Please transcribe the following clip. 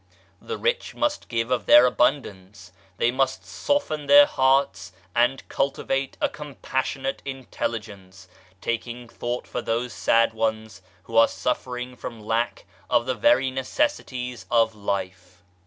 The rich must give of their abundance, they must soften their hearts and cultivate a compassionate intelligence, taking thought for those sad ones who are suffering from lack of the very necessities of life.